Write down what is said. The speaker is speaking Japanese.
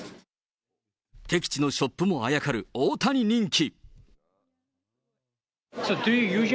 敵地のショップもあやかる大谷人気。